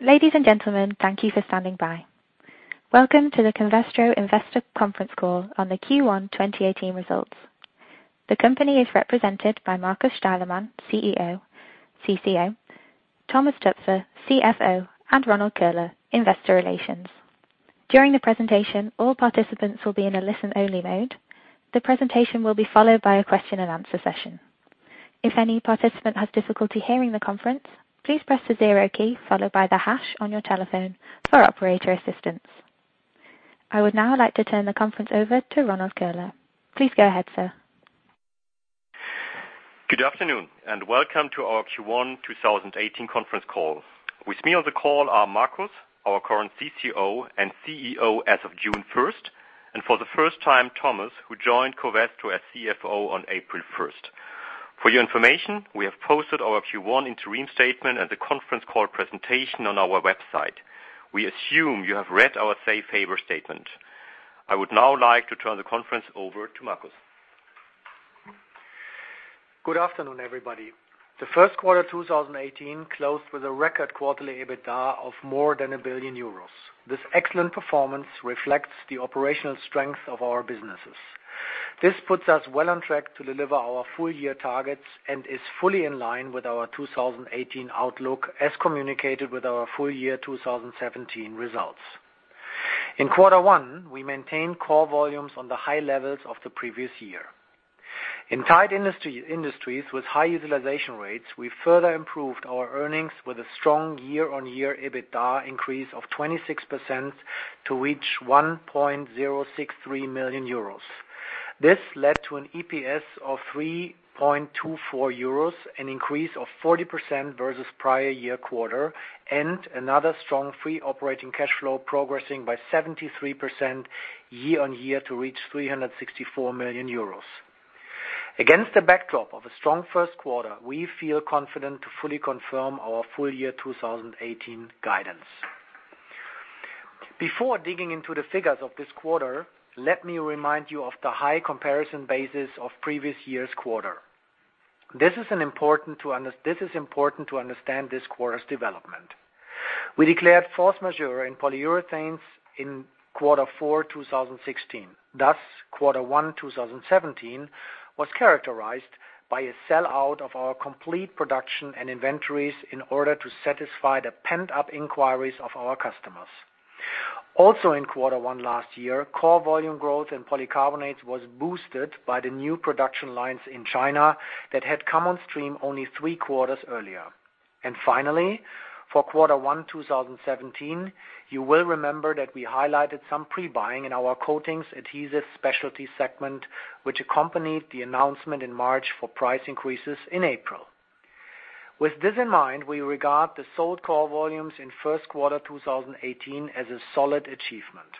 Ladies and gentlemen, thank you for standing by. Welcome to the Covestro Investor Conference Call on the Q1 2018 results. The company is represented by Markus Steilemann, CEO, CCO, Thomas Töpfer, CFO, and Ronald Köhler, Investor Relations. During the presentation, all participants will be in a listen-only mode. The presentation will be followed by a question-and-answer session. If any participant has difficulty hearing the conference, please press the zero key followed by the hash on your telephone for operator assistance. I would now like to turn the conference over to Ronald Köhler. Please go ahead, sir. Good afternoon, and welcome to our Q1 2018 conference call. With me on the call are Markus, our current CCO and CEO as of June 1st, and for the first time, Thomas, who joined Covestro as CFO on April 1st. For your information, we have posted our Q1 interim statement and the conference call presentation on our website. We assume you have read our safe harbor statement. I would now like to turn the conference over to Markus. Good afternoon, everybody. The first quarter 2018 closed with a record quarterly EBITDA of more than 1 billion euros. This excellent performance reflects the operational strength of our businesses. This puts us well on track to deliver our full-year targets and is fully in line with our 2018 outlook as communicated with our full-year 2017 results. In quarter one, we maintained core volumes on the high levels of the previous year. In tight industries with high utilization rates, we further improved our earnings with a strong year-on-year EBITDA increase of 26% to reach 1,063 million euros. This led to an EPS of 3.24 euros, an increase of 40% versus prior year quarter, and another strong free operating cash flow progressing by 73% year-on-year to reach 364 million euros. Against the backdrop of a strong first quarter, we feel confident to fully confirm our full-year 2018 guidance. Before digging into the figures of this quarter, let me remind you of the high comparison basis of previous year's quarter. This is important to understand this quarter's development. We declared force majeure in Polyurethanes in quarter four 2016, thus quarter one 2017 was characterized by a sellout of our complete production and inventories in order to satisfy the pent-up inquiries of our customers. Also in quarter one last year, core volume growth in Polycarbonates was boosted by the new production lines in China that had come on stream only three quarters earlier. Finally, for quarter one 2017, you will remember that we highlighted some pre-buying in our Coatings, Adhesives, Specialties segment, which accompanied the announcement in March for price increases in April. With this in mind, we regard the sold core volumes in first quarter 2018 as a solid achievement.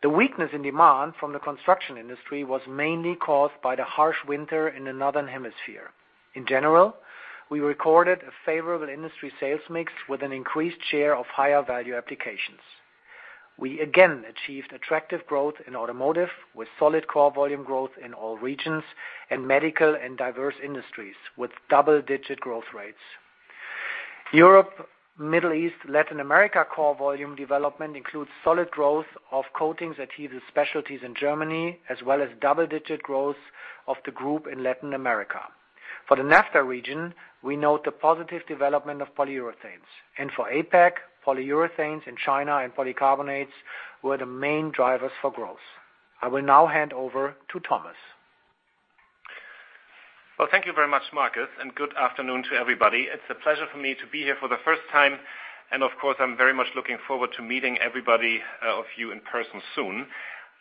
The weakness in demand from the construction industry was mainly caused by the harsh winter in the Northern Hemisphere. In general, we recorded a favorable industry sales mix with an increased share of higher-value applications. We again achieved attractive growth in automotive with solid core volume growth in all regions and medical and diverse industries with double-digit growth rates. Europe, Middle East, Latin America core volume development includes solid growth of Coatings, Adhesives, Specialties in Germany, as well as double-digit growth of the group in Latin America. For the NAFTA region, we note the positive development of Polyurethanes. For APAC, Polyurethanes in China and Polycarbonates were the main drivers for growth. I will now hand over to Thomas. Well, thank you very much, Markus, and good afternoon to everybody. It's a pleasure for me to be here for the first time, and of course, I'm very much looking forward to meeting everybody of you in person soon.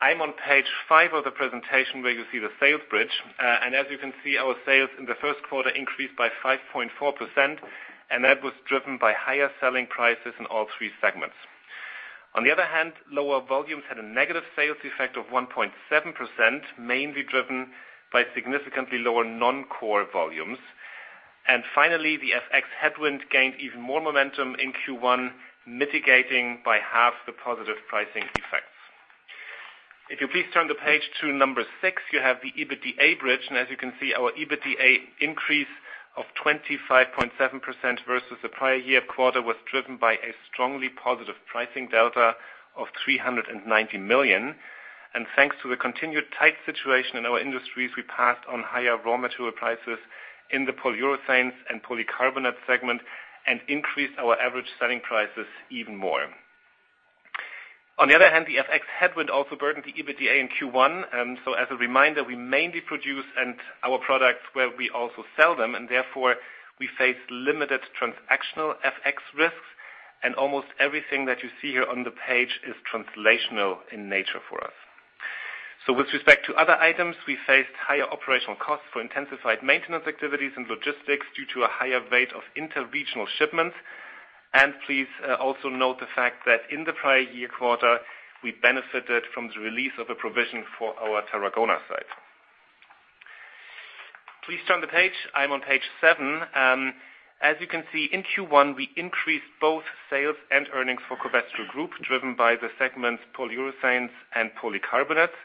I'm on page five of the presentation where you see the sales bridge. As you can see, our sales in the first quarter increased by 5.4%, and that was driven by higher selling prices in all three segments. On the other hand, lower volumes had a negative sales effect of 1.7%, mainly driven by significantly lower non-core volumes. Finally, the FX headwind gained even more momentum in Q1, mitigating by half the positive pricing effects. If you please turn to page six, you have the EBITDA bridge. As you can see, our EBITDA increase of 25.7% versus the prior year quarter was driven by a strongly positive pricing delta of 390 million. Thanks to the continued tight situation in our industries, we passed on higher raw material prices in the Polyurethanes and Polycarbonate segment and increased our average selling prices even more. On the other hand, the FX headwind also burdened the EBITDA in Q1. As a reminder, we mainly produce our products where we also sell them, and therefore, we face limited transactional FX risks. Almost everything that you see here on the page is translational in nature for us. With respect to other items, we faced higher operational costs for intensified maintenance activities and logistics due to a higher rate of inter-regional shipments. Please also note the fact that in the prior year quarter, we benefited from the release of a provision for our Tarragona site. Please turn the page. I'm on page seven. As you can see, in Q1, we increased both sales and earnings for Covestro Group, driven by the segments Polyurethanes and Polycarbonates.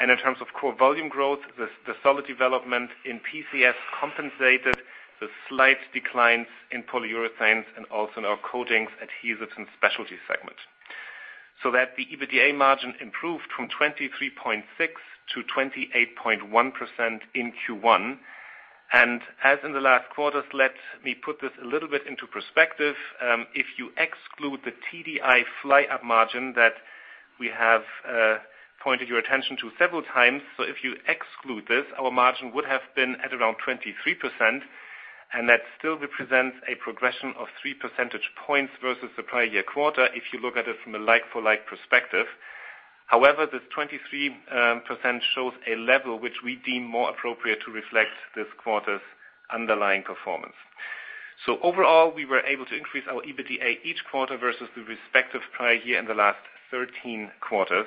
In terms of core volume growth, the solid development in PCS compensated the slight declines in Polyurethanes and also in our Coatings, Adhesives, and Specialties segment, so that the EBITDA margin improved from 23.6% to 28.1% in Q1. As in the last quarters, let me put this a little bit into perspective. If you exclude the TDI fly-up margin that we have pointed your attention to several times, if you exclude this, our margin would have been at around 23%, and that still represents a progression of three percentage points versus the prior year quarter if you look at it from a like for like perspective. However, this 23% shows a level which we deem more appropriate to reflect this quarter's underlying performance. Overall, we were able to increase our EBITDA each quarter versus the respective prior year in the last 13 quarters.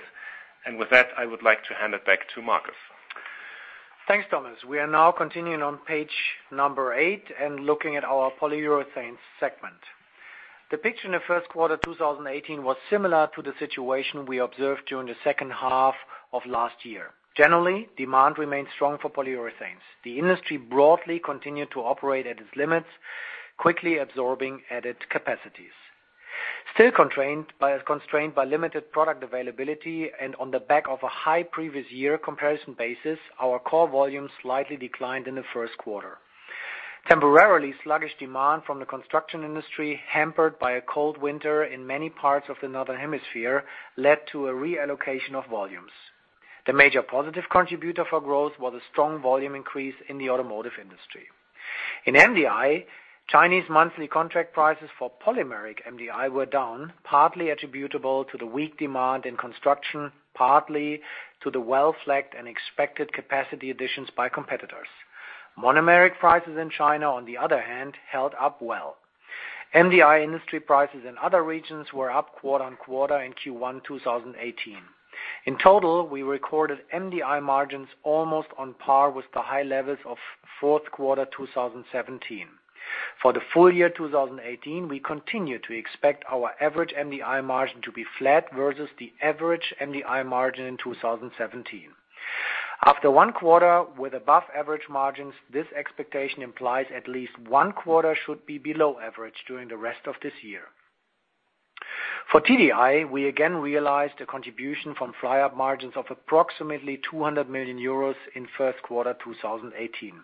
With that, I would like to hand it back to Markus. Thanks, Thomas. We are now continuing on page number eight and looking at our Polyurethanes segment. The picture in the first quarter 2018 was similar to the situation we observed during the second half of last year. Generally, demand remained strong for polyurethanes. The industry broadly continued to operate at its limits, quickly absorbing added capacities. Still constrained by limited product availability and on the back of a high previous year comparison basis, our core volumes slightly declined in the first quarter. Temporarily sluggish demand from the construction industry, hampered by a cold winter in many parts of the Northern Hemisphere, led to a reallocation of volumes. The major positive contributor for growth was a strong volume increase in the automotive industry. In MDI, Chinese monthly contract prices for polymeric MDI were down, partly attributable to the weak demand in construction, partly to the well-flagged and expected capacity additions by competitors. monomeric prices in China, on the other hand, held up well. MDI industry prices in other regions were up quarter on quarter in Q1 2018. In total, we recorded MDI margins almost on par with the high levels of fourth quarter 2017. For the full year 2018, we continue to expect our average MDI margin to be flat versus the average MDI margin in 2017. After one quarter with above-average margins, this expectation implies at least one quarter should be below average during the rest of this year. For TDI, we again realized a contribution from fly-up margins of approximately 200 million euros in first quarter 2018.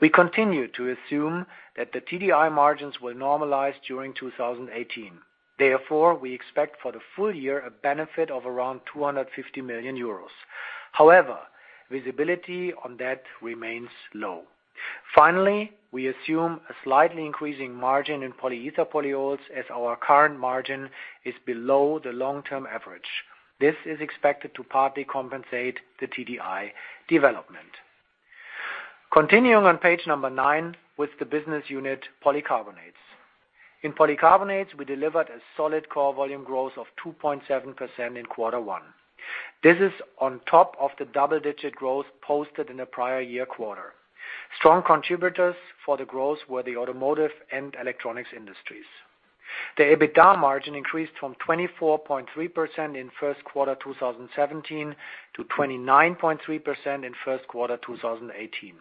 We continue to assume that the TDI margins will normalize during 2018. We expect for the full year a benefit of around 250 million euros. Visibility on that remains low. We assume a slightly increasing margin in polyether polyols as our current margin is below the long-term average. This is expected to partly compensate the TDI development. Continuing on page number nine with the business unit Polycarbonates. In Polycarbonates, we delivered a solid core volume growth of 2.7% in quarter one. This is on top of the double-digit growth posted in the prior year quarter. Strong contributors for the growth were the automotive and electronics industries. The EBITDA margin increased from 24.3% in first quarter 2017 to 29.3% in first quarter 2018.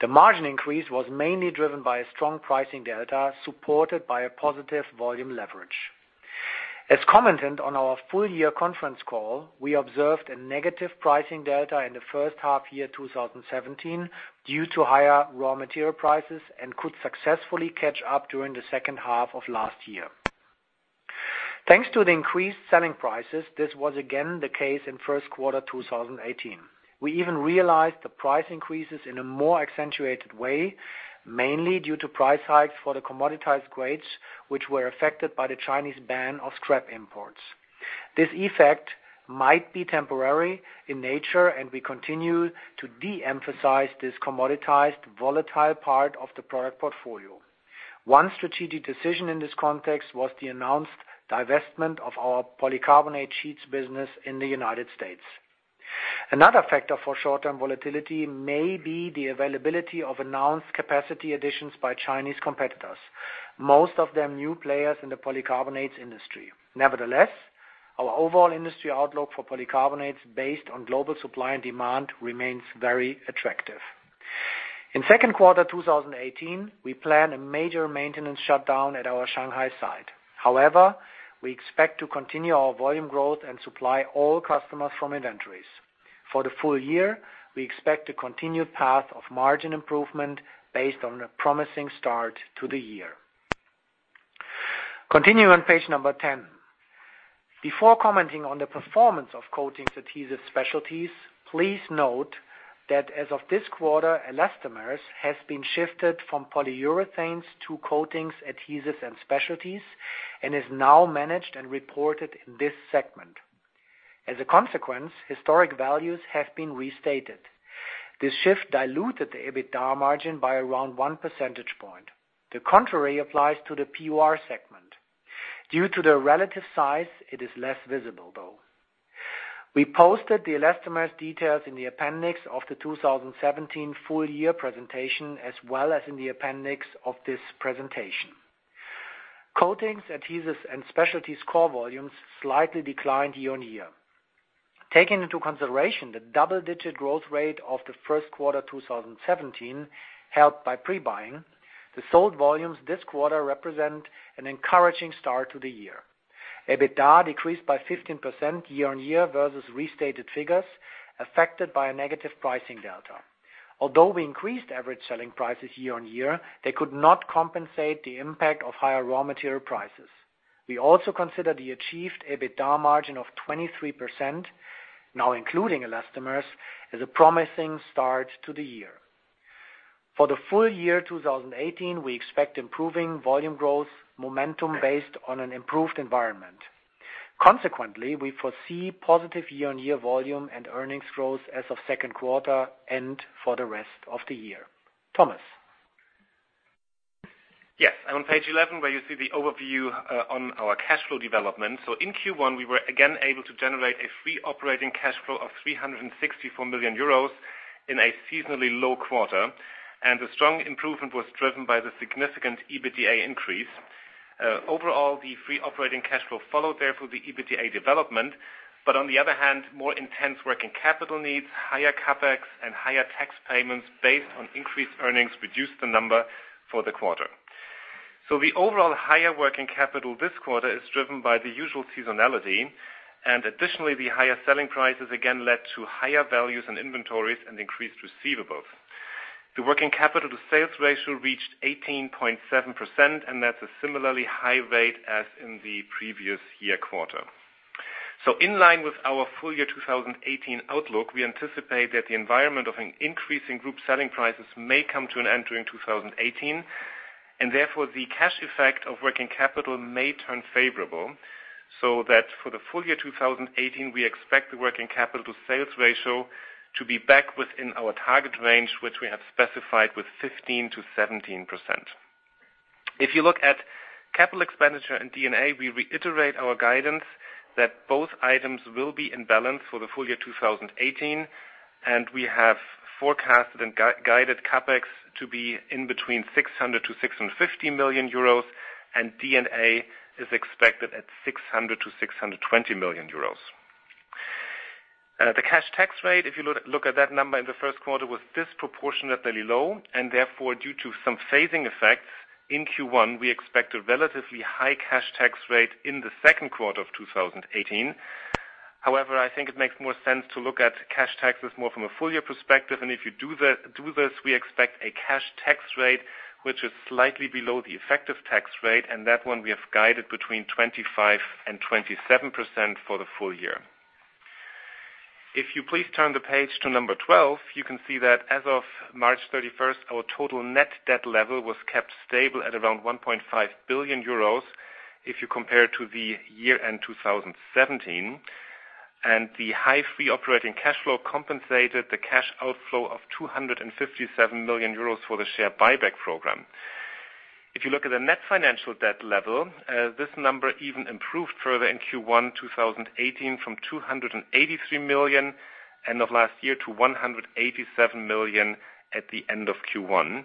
The margin increase was mainly driven by a strong pricing delta supported by a positive volume leverage. As commented on our full year conference call, we observed a negative pricing delta in the first half year 2017 due to higher raw material prices and could successfully catch up during the second half of last year. Thanks to the increased selling prices, this was again the case in first quarter 2018. We even realized the price increases in a more accentuated way, mainly due to price hikes for the commoditized grades, which were affected by the Chinese ban of scrap imports. This effect might be temporary in nature, and we continue to de-emphasize this commoditized, volatile part of the product portfolio. One strategic decision in this context was the announced divestment of our polycarbonate sheets business in the U.S. Another factor for short-term volatility may be the availability of announced capacity additions by Chinese competitors, most of them new players in the Polycarbonates industry. Nevertheless, our overall industry outlook for Polycarbonates based on global supply and demand remains very attractive. In second quarter 2018, we plan a major maintenance shutdown at our Shanghai site. However, we expect to continue our volume growth and supply all customers from inventories. For the full year, we expect a continued path of margin improvement based on a promising start to the year. Continuing on page number 10. Before commenting on the performance of Coatings, Adhesives, Specialties, please note that as of this quarter, Elastomers has been shifted from Polyurethanes to Coatings, Adhesives, and Specialties and is now managed and reported in this segment. As a consequence, historic values have been restated. This shift diluted the EBITDA margin by around one percentage point. The contrary applies to the PUR segment. Due to the relative size, it is less visible, though. We posted the Elastomers details in the appendix of the 2017 full year presentation, as well as in the appendix of this presentation. Coatings, Adhesives, and Specialties core volumes slightly declined year-on-year. Taking into consideration the double-digit growth rate of the first quarter 2017, helped by pre-buying, the sold volumes this quarter represent an encouraging start to the year. EBITDA decreased by 15% year-on-year versus restated figures, affected by a negative pricing delta. Although we increased average selling prices year-on-year, they could not compensate the impact of higher raw material prices. We also consider the achieved EBITDA margin of 23%, now including Elastomers, as a promising start to the year. For the full year 2018, we expect improving volume growth momentum based on an improved environment. Consequently, we foresee positive year-on-year volume and earnings growth as of second quarter, and for the rest of the year. Thomas. On page 11, where you see the overview on our cash flow development. In Q1, we were again able to generate a free operating cash flow of 364 million euros in a seasonally low quarter, and a strong improvement was driven by the significant EBITDA increase. Overall, the free operating cash flow followed there for the EBITDA development. But on the other hand, more intense working capital needs, higher CapEx, and higher tax payments based on increased earnings reduced the number for the quarter. The overall higher working capital this quarter is driven by the usual seasonality, and additionally, the higher selling prices again led to higher values and inventories and increased receivables. The working capital to sales ratio reached 18.7%, and that's a similarly high rate as in the previous year quarter. In line with our full year 2018 outlook, we anticipate that the environment of an increase in group selling prices may come to an end during 2018. Therefore, the cash effect of working capital may turn favorable, that for the full year 2018, we expect the working capital to sales ratio to be back within our target range, which we have specified with 15%-17%. If you look at capital expenditure and D&A, we reiterate our guidance that both items will be in balance for the full year 2018. We have forecasted and guided CapEx to be in between 600 million-650 million euros, and D&A is expected at 600 million-620 million euros. The cash tax rate, if you look at that number in the first quarter, was disproportionately low. Therefore, due to some phasing effects in Q1, we expect a relatively high cash tax rate in the second quarter of 2018. However, I think it makes more sense to look at cash taxes more from a full year perspective. If you do this, we expect a cash tax rate which is slightly below the effective tax rate, and that one we have guided between 25% and 27% for the full year. If you please turn the page to number 12, you can see that as of March 31st, our total net debt level was kept stable at around 1.5 billion euros if you compare it to the year-end 2017. The high free operating cash flow compensated the cash outflow of 257 million euros for the share buyback program. If you look at the net financial debt level, this number even improved further in Q1 2018 from 283 million end of last year to 187 million at the end of Q1.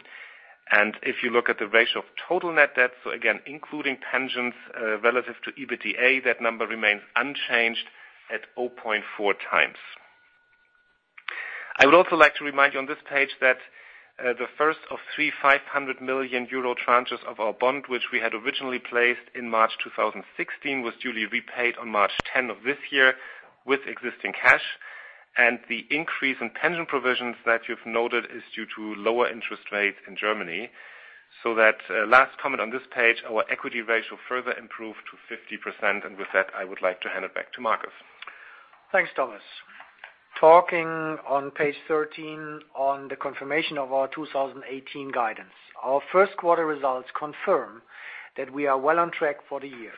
If you look at the ratio of total net debt, again, including pensions relative to EBITDA, that number remains unchanged at 0.4 times. I would also like to remind you on this page that the first of three 500 million euro tranches of our bond, which we had originally placed in March 2016, was duly repaid on March 10 of this year with existing cash. The increase in pension provisions that you've noted is due to lower interest rates in Germany. That last comment on this page, our equity ratio further improved to 50%. With that, I would like to hand it back to Markus. Thanks, Thomas. Talking on page 13 on the confirmation of our 2018 guidance. Our first quarter results confirm that we are well on track for the year.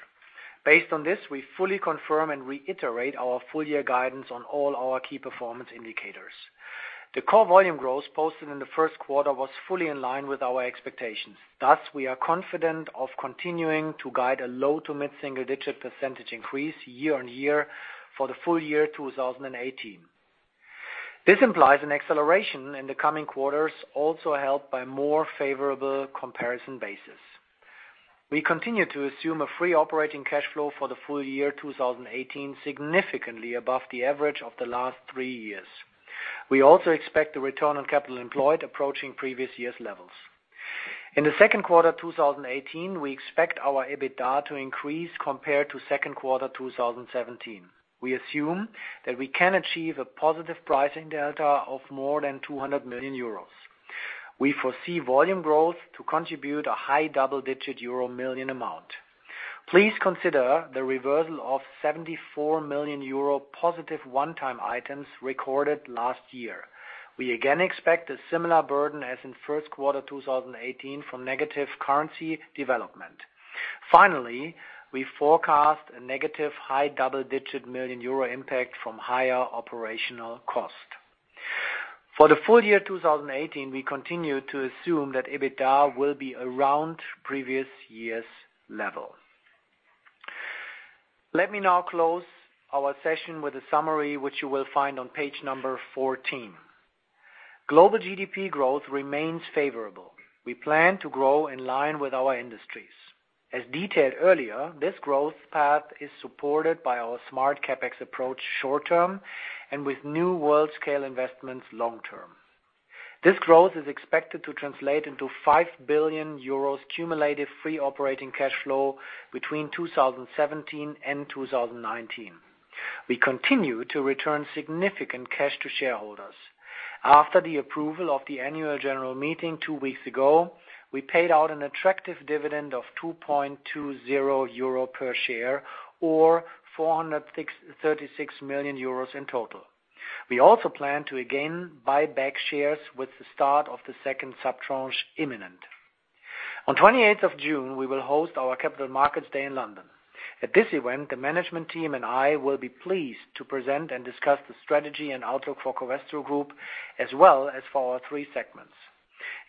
Based on this, we fully confirm and reiterate our full year guidance on all our key performance indicators. The core volume growth posted in the first quarter was fully in line with our expectations. Thus, we are confident of continuing to guide a low to mid-single-digit percentage increase year-on-year for the full year 2018. This implies an acceleration in the coming quarters, also helped by more favorable comparison basis. We continue to assume a free operating cash flow for the full year 2018, significantly above the average of the last three years. We also expect the return on capital employed approaching previous year's levels. In the second quarter 2018, we expect our EBITDA to increase compared to second quarter 2017. We assume that we can achieve a positive pricing delta of more than 200 million euros. We foresee volume growth to contribute a high double-digit euro million amount. Please consider the reversal of 74 million euro positive one-time items recorded last year. We again expect a similar burden as in first quarter 2018 from negative currency development. Finally, we forecast a negative high double-digit million euro impact from higher operational cost. For the full year 2018, we continue to assume that EBITDA will be around previous year's level. Let me now close our session with a summary, which you will find on page 14. Global GDP growth remains favorable. We plan to grow in line with our industries. As detailed earlier, this growth path is supported by our smart CapEx approach short-term, and with new world-scale investments long-term. This growth is expected to translate into 5 billion euros cumulative free operating cash flow between 2017 and 2019. We continue to return significant cash to shareholders. After the approval of the annual general meeting two weeks ago, we paid out an attractive dividend of 2.20 euro per share or 436 million euros in total. We also plan to again buy back shares with the start of the second sub-tranche imminent. On 28th of June, we will host our capital markets day in London. At this event, the management team and I will be pleased to present and discuss the strategy and outlook for Covestro Group as well as for our three segments.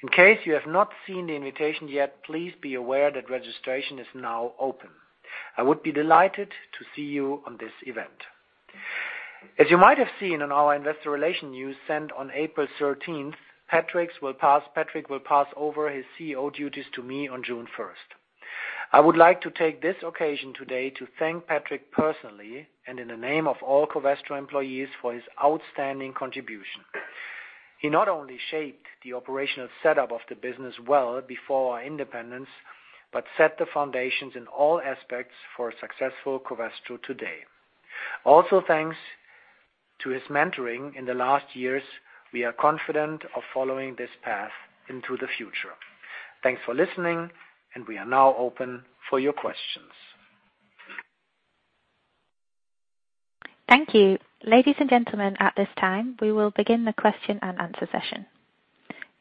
In case you have not seen the invitation yet, please be aware that registration is now open. I would be delighted to see you on this event. As you might have seen on our Investor Relations news sent on April 13th, Patrick will pass over his CEO duties to me on June 1st. I would like to take this occasion today to thank Patrick personally, and in the name of all Covestro employees, for his outstanding contribution. He not only shaped the operational setup of the business well before our independence, but set the foundations in all aspects for a successful Covestro today. Also, thanks to his mentoring in the last years, we are confident of following this path into the future. Thanks for listening, and we are now open for your questions. Thank you. Ladies and gentlemen, at this time, we will begin the question-and-answer session.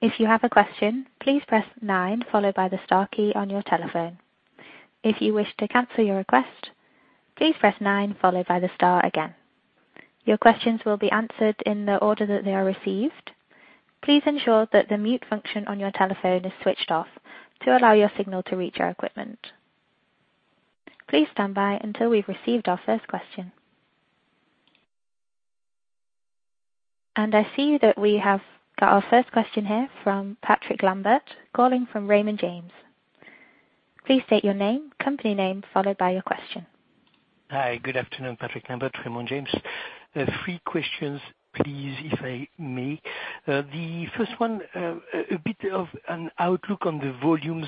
If you have a question, please press Nine, followed by the star key on your telephone. If you wish to cancel your request, please press Nine followed by the star again. Your questions will be answered in the order that they are received. Please ensure that the mute function on your telephone is switched off to allow your signal to reach our equipment. Please stand by until we've received our first question. And I see that we have got our first question here from Patrick Lambert, calling from Raymond James. Please state your name, company name, followed by your question. Hi, good afternoon, Patrick Lambert, Raymond James. Three questions please, if I may. The first one, a bit of an outlook on the volumes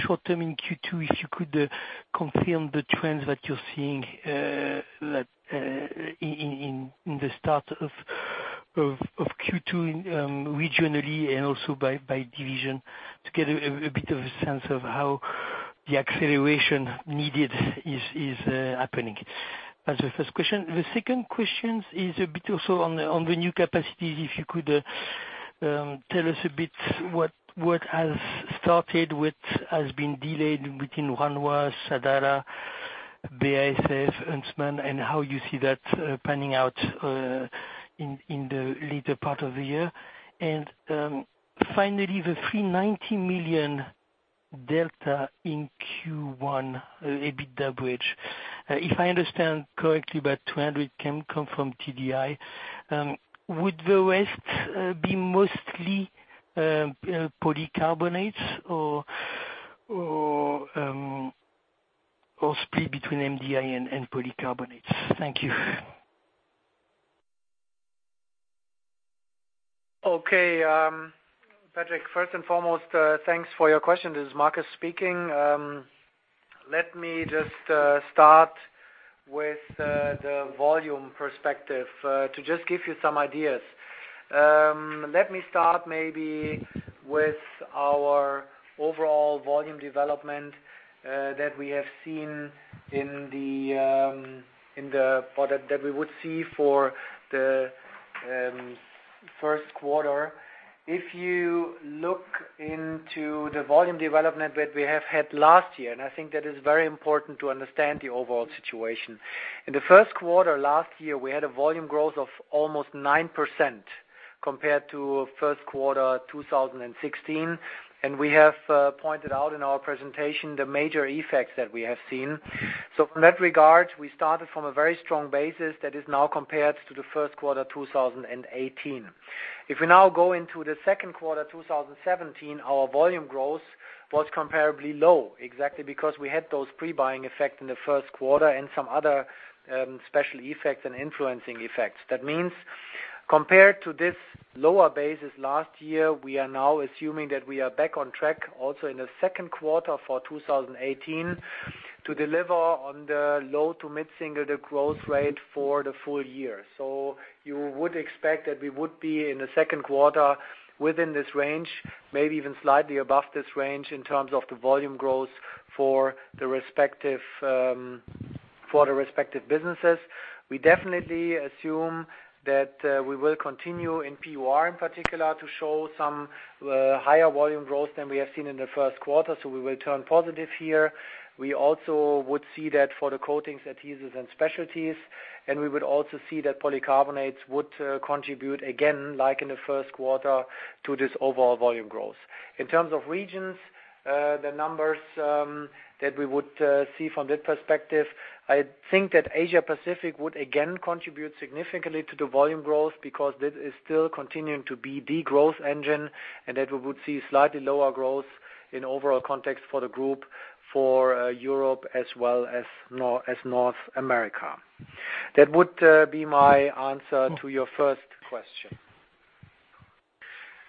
short-term in Q2. If you could confirm the trends that you're seeing in the start of Q2 regionally and also by division to get a bit of a sense of how the acceleration needed is happening. That's the first question. The second question is a bit also on the new capacities. If you could tell us a bit what has started, what has been delayed between Wanhua, Sadara, BASF, Huntsman, and how you see that panning out in the later part of the year. Finally, the 90 million delta in Q1 EBITDA bridge. If I understand correctly, about 200 million can come from TDI. Would the rest be mostly Polycarbonates or split between MDI and Polycarbonates? Thank you. Okay. Patrick, first and foremost, thanks for your question. This is Markus speaking. Let me just start with the volume perspective to just give you some ideas. Let me start maybe with our overall volume development that we would see for the first quarter. If you look into the volume development that we have had last year, I think that is very important to understand the overall situation. In the first quarter last year, we had a volume growth of almost 9% compared to first quarter 2016. We have pointed out in our presentation the major effects that we have seen. From that regard, we started from a very strong basis that is now compared to the first quarter 2018. If we now go into the second quarter 2017, our volume growth was comparably low, exactly because we had those pre-buying effect in the first quarter and some other special effects and influencing effects. That means compared to this lower basis last year, we are now assuming that we are back on track also in the second quarter for 2018 to deliver on the low to mid-single-digit growth rate for the full year. You would expect that we would be in the second quarter within this range, maybe even slightly above this range in terms of the volume growth for the respective businesses. We definitely assume that we will continue in PUR, in particular, to show some higher volume growth than we have seen in the first quarter. We will turn positive here. We also would see that for the Coatings, Adhesives, and Specialties, we would also see that Polycarbonates would contribute again, like in the first quarter, to this overall volume growth. In terms of regions, the numbers that we would see from that perspective, I think that Asia Pacific would again contribute significantly to the volume growth because that is still continuing to be the growth engine, and we would see slightly lower growth in overall context for the group for Europe as well as North America. That would be my answer to your first question.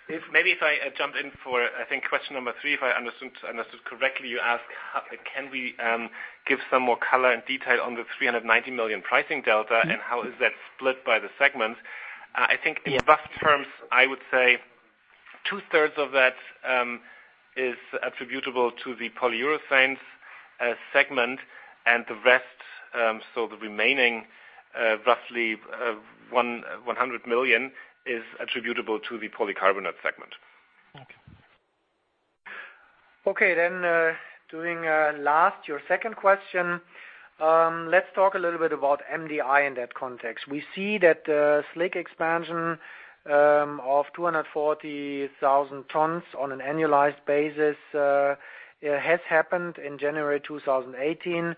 Maybe if I jump in for, I think, question number three, if I understood correctly. You asked, can we give some more color and detail on the 390 million pricing delta, and how is that split by the segment? I think in rough terms, I would say two-thirds of that is attributable to the Polyurethanes segment, and the rest, so the remaining roughly 100 million is attributable to the Polycarbonate segment. Okay. Doing last, your second question. Let's talk a little bit about MDI in that context. We see that the SLIC expansion of 240,000 tons on an annualized basis has happened in January 2018.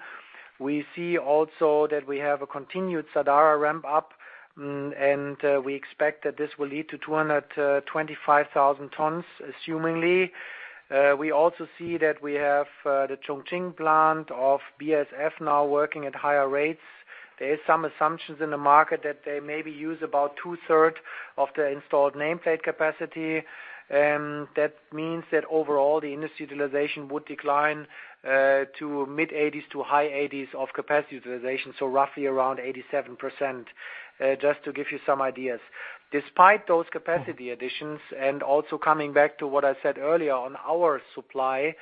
We see also that we have a continued Sadara ramp up. We expect that this will lead to 225,000 tons, assumingly. We also see that we have the Chongqing plant of BASF now working at higher rates. There is some assumptions in the market that they maybe use about two-thirds of the installed nameplate capacity. That means that overall the industry utilization would decline to mid-80s to high 80s of capacity utilization, so roughly around 87%, just to give you some ideas. Despite those capacity additions, also coming back to what I said earlier on our supply.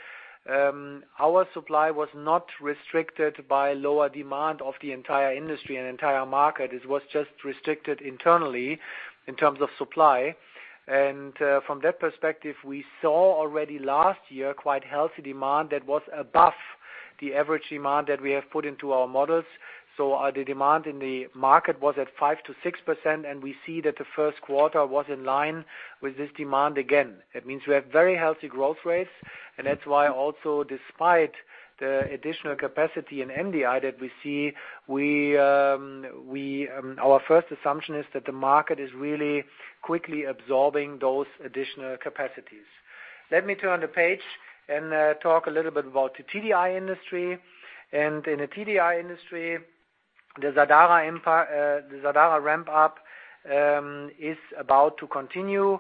Our supply was not restricted by lower demand of the entire industry and entire market. It was just restricted internally in terms of supply. From that perspective, we saw already last year quite healthy demand that was above the average demand that we have put into our models. The demand in the market was at 5%-6%, and we see that the first quarter was in line with this demand again. That means we have very healthy growth rates, and that's why also, despite the additional capacity in MDI that we see, our first assumption is that the market is really quickly absorbing those additional capacities. Let me turn the page and talk a little bit about the TDI industry. In the TDI industry, the Sadara ramp up is about to continue.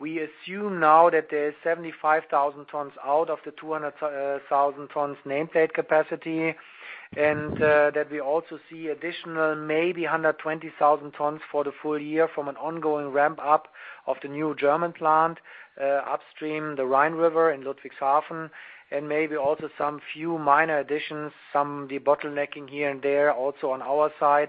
We assume now that there is 75,000 tons out of the 200,000 tons nameplate capacity. We also see additional maybe 120,000 tons for the full year from an ongoing ramp-up of the new German plant upstream the Rhine River in Ludwigshafen. Maybe also some few minor additions, some de-bottlenecking here and there also on our side.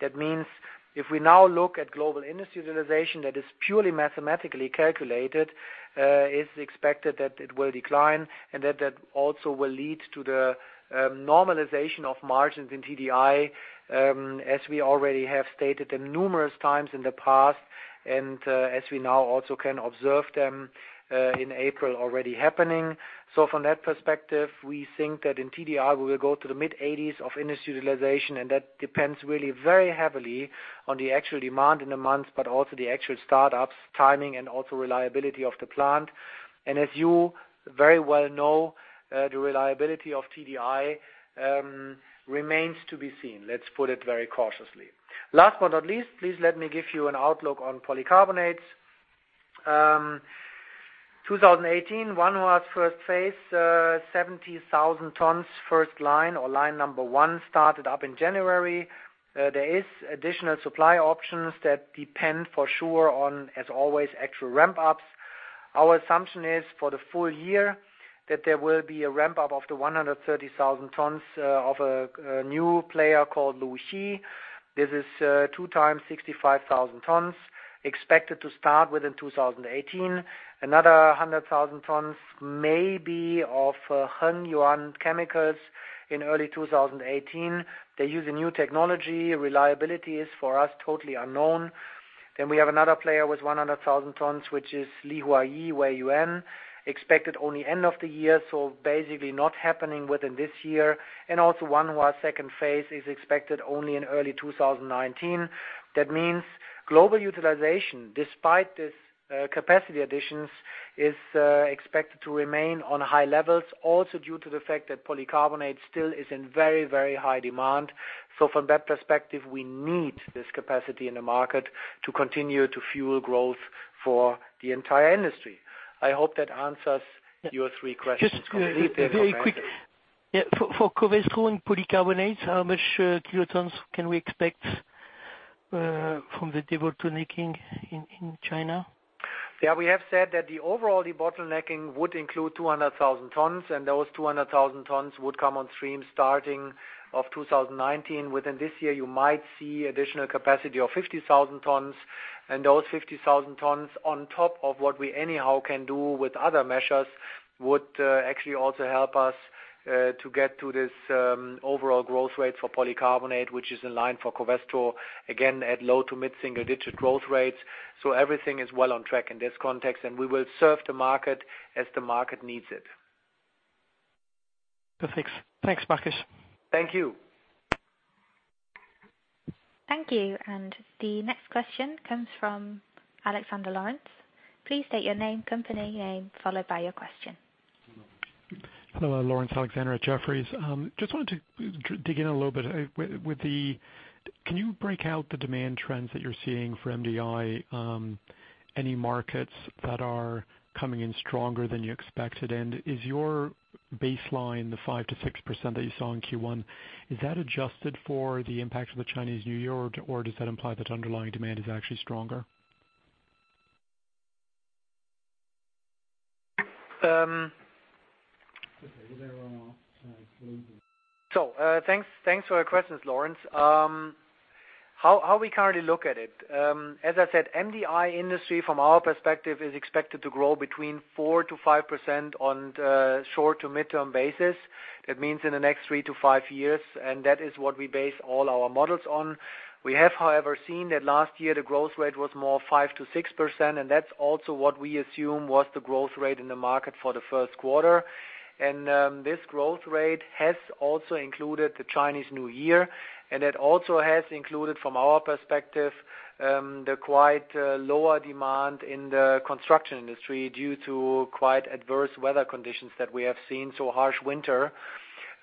That means if we now look at global industry utilization that is purely mathematically calculated, it's expected that it will decline and that that also will lead to the normalization of margins in TDI, as we already have stated them numerous times in the past and as we now also can observe them in April already happening. From that perspective, we think that in TDI, we will go to the mid-80s of industry utilization, and that depends really very heavily on the actual demand in the months, but also the actual startups, timing, and also reliability of the plant. As you very well know, the reliability of TDI remains to be seen. Let's put it very cautiously. Last but not least, please let me give you an outlook on Polycarbonates. 2018, Wanhua's first phase, 70,000 tons first line or line number 1 started up in January. There is additional supply options that depend for sure on, as always, actual ramp-ups. Our assumption is for the full year that there will be a ramp-up of the 130,000 tons of a new player called Luxi. This is two times 65,000 tons expected to start within 2018. Another 100,000 tons maybe of Hengyuan Chemicals in early 2018. They use a new technology. Reliability is, for us, totally unknown. We have another player with 100,000 tons, which is Lihua Yiweiyuan, expected only end of the year, so basically not happening within this year. Wanhua second phase is expected only in early 2019. Global utilization, despite this capacity additions, is expected to remain on high levels also due to the fact that Polycarbonate still is in very high demand. From that perspective, we need this capacity in the market to continue to fuel growth for the entire industry. I hope that answers your three questions completely. Just very quick. For Covestro and Polycarbonates, how much kilo tons can we expect from the debottlenecking in China? We have said that the overall debottlenecking would include 200,000 tons. Those 200,000 tons would come on stream starting of 2019. Within this year, you might see additional capacity of 50,000 tons. Those 50,000 tons on top of what we anyhow can do with other measures would actually also help us to get to this overall growth rate for Polycarbonate, which is in line for Covestro, again, at low to mid-single-digit growth rates. Everything is well on track in this context. We will serve the market as the market needs it. Perfect. Thanks, Markus. Thank you. Thank you. The next question comes from Laurence Alexander. Please state your name, company name, followed by your question. Hello. Laurence Alexander at Jefferies. Just wanted to dig in a little bit. Can you break out the demand trends that you're seeing for MDI? Any markets that are coming in stronger than you expected? Is your baseline, the 5%-6% that you saw in Q1, is that adjusted for the impact of the Chinese New Year, or does that imply that underlying demand is actually stronger? Thanks for your questions, Laurence. How we currently look at it. As I said, MDI industry from our perspective is expected to grow between 4%-5% on short to mid-term basis. That means in the next 3-5 years, and that is what we base all our models on. We have, however, seen that last year the growth rate was more 5%-6%, and that is also what we assume was the growth rate in the market for the first quarter. This growth rate has also included the Chinese New Year, and it also has included, from our perspective, the quite lower demand in the construction industry due to quite adverse weather conditions that we have seen, so harsh winter.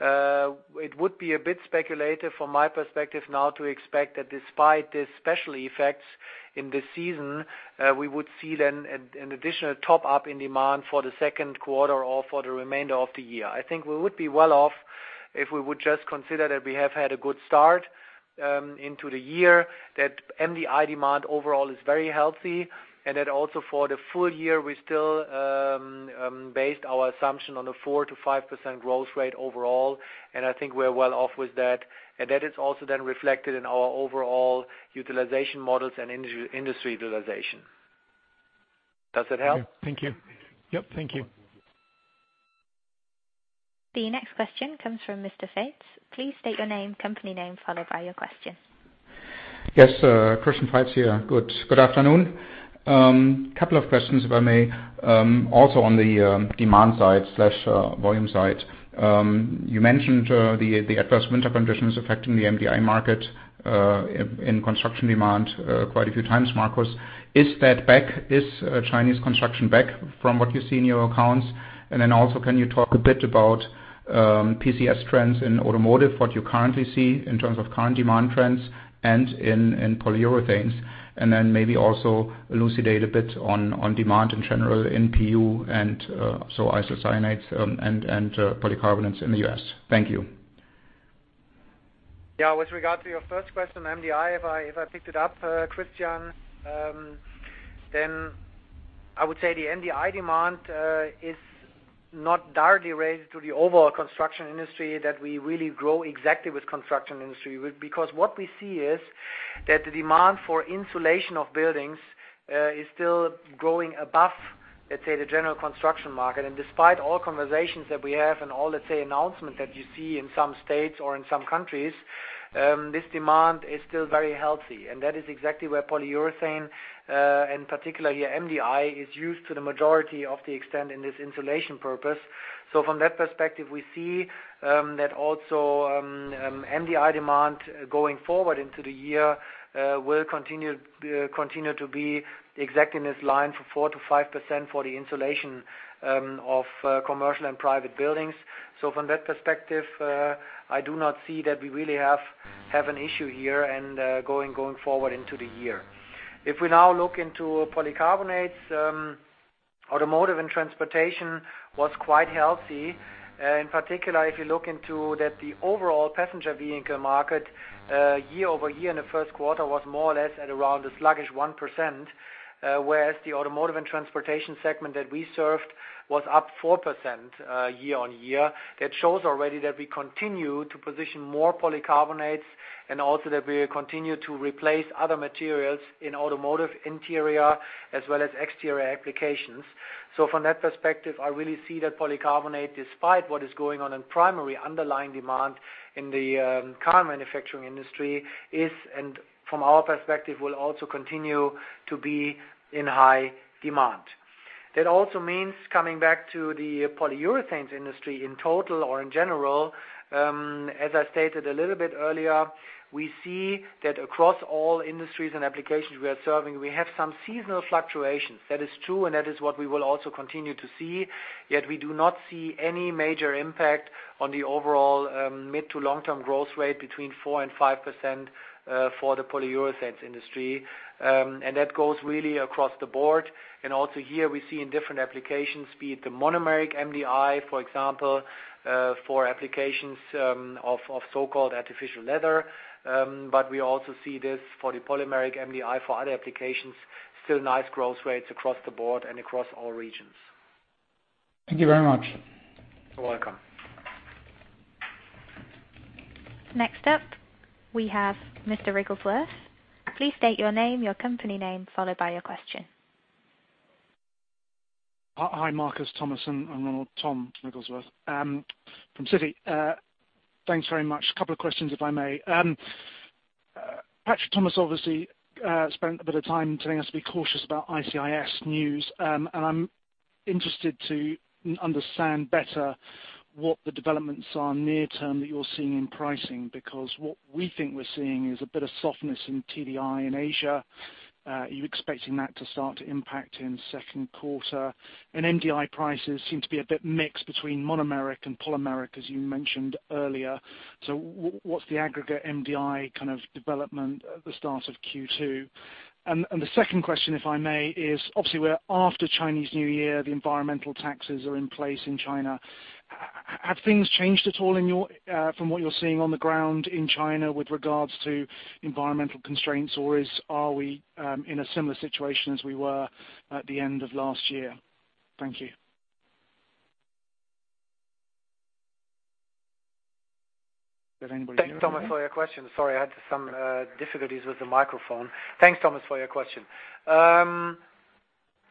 It would be a bit speculative from my perspective now to expect that despite the special effects in this season, we would see then an additional top-up in demand for the second quarter or for the remainder of the year. I think we would be well off if we would just consider that we have had a good start into the year, that MDI demand overall is very healthy, and that also for the full year, we still based our assumption on a 4%-5% growth rate overall, and I think we are well off with that. That is also then reflected in our overall utilization models and industry utilization. Does that help? Yeah. Thank you. The next question comes from Mr. Faitz. Please state your name, company name, followed by your question. Christian Faitz here. Good afternoon. Couple of questions, if I may. Also on the demand side/volume side. You mentioned the adverse winter conditions affecting the MDI market in construction demand quite a few times, Markus. Is Chinese construction back from what you see in your accounts? Can you talk a bit about PCS trends in automotive, what you currently see in terms of current demand trends and in Polyurethanes? Elucidate a bit on demand in general in PU and isocyanates and Polycarbonates in the U.S. Thank you. With regard to your first question, MDI, if I picked it up, Christian, then I would say the MDI demand is not directly related to the overall construction industry, that we really grow exactly with construction industry. What we see is that the demand for insulation of buildings is still growing above, let's say, the general construction market. Despite all conversations that we have and all, let's say, announcements that you see in some states or in some countries, this demand is still very healthy. That is exactly where Polyurethane, in particular here, MDI, is used to the majority of the extent in this insulation purpose. From that perspective, we see that also MDI demand going forward into the year will continue to be exactly in this line for 4%-5% for the insulation of commercial and private buildings. From that perspective, I do not see that we really have an issue here and going forward into the year. If we now look into Polycarbonates, automotive and transportation was quite healthy. In particular, if you look into that the overall passenger vehicle market year-over-year in the first quarter was more or less at around a sluggish 1%, whereas the automotive and transportation segment that we served was up 4% year-on-year. That shows already that we continue to position more Polycarbonates and also that we continue to replace other materials in automotive interior as well as exterior applications. From that perspective, I really see that Polycarbonate, despite what is going on in primary underlying demand in the car manufacturing industry, is, and from our perspective, will also continue to be in high demand. That also means coming back to the Polyurethanes industry in total or in general. As I stated a little bit earlier, we see that across all industries and applications we are serving, we have some seasonal fluctuations. That is true, and that is what we will also continue to see. Yet we do not see any major impact on the overall mid to long-term growth rate between 4% and 5% for the Polyurethanes industry. That goes really across the board. We see in different applications, be it the monomeric MDI, for example for applications of so-called artificial leather. We also see this for the polymeric MDI for other applications, still nice growth rates across the board and across all regions. Thank you very much. You're welcome. Next up, we have Mr. Wrigglesworth. Please state your name, your company name, followed by your question. Hi, Markus, Thomas, and Ronald. Tom Wrigglesworth from Citi. Thanks very much. Couple of questions, if I may. Patrick Thomas obviously spent a bit of time telling us to be cautious about ICIS news, and I'm interested to understand better what the developments are near term that you're seeing in pricing, because what we think we're seeing is a bit of softness in TDI in Asia. Are you expecting that to start to impact in second quarter? MDI prices seem to be a bit mixed between monomeric and polymeric, as you mentioned earlier. So what's the aggregate MDI kind of development at the start of Q2? The second question, if I may, is obviously we're after Chinese New Year, the environmental taxes are in place in China. Have things changed at all from what you're seeing on the ground in China with regards to environmental constraints, or are we in a similar situation as we were at the end of last year? Thank you. Does anybody hear me? Thanks, Thomas, for your question. Sorry, I had some difficulties with the microphone. Thanks, Thomas, for your question.